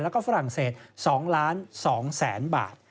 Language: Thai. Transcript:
แล้วก็ฝรั่งเศส๒๒๐๐๐๐บาท